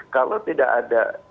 kalau tidak ada